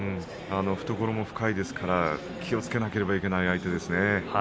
懐も深いですから気をつけなければいけない相手ですね。